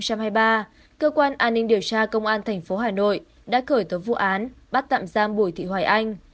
thành phố hà nội đã cởi tố vụ án bắt tạm giam bùi thị hoài anh